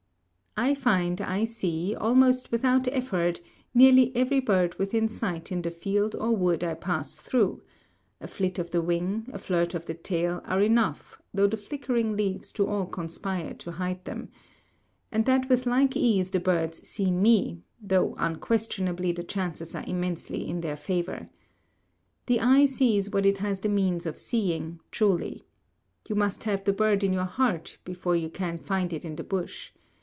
I find I see, almost without effort, nearly every bird within sight in the field or wood I pass through (a flit of the wing, a flirt of the tail, are enough, though the flickering leaves do all conspire to hide them), and that with like ease the birds see me, though unquestionably the chances are immensely in their favor. The eye sees what it has the means of seeing, truly. You must have the bird in your heart before you can find it in the bush.